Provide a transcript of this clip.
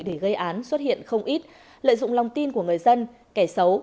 để gây án xuất hiện không ít lợi dụng lòng tin của người dân kẻ xấu